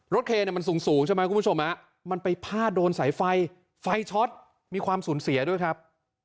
เคเนี่ยมันสูงใช่ไหมคุณผู้ชมมันไปพาดโดนสายไฟไฟช็อตมีความสูญเสียด้วยครับ